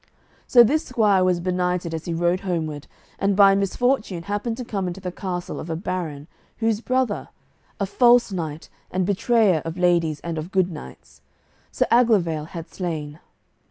So this squire was benighted as he rode homeward, and by misfortune happened to come into the castle of a baron whose brother (a false knight and betrayer of ladies and of good knights) Sir Aglovale had slain.